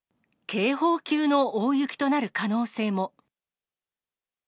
警報級の大雪となる可能性も。